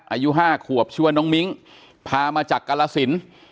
อายุห้าควบชื่อน้องมิ้งพามาจากกรศิลป์